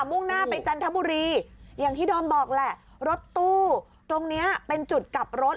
มุ่งหน้าไปจันทบุรีอย่างที่ดอมบอกแหละรถตู้ตรงเนี้ยเป็นจุดกลับรถ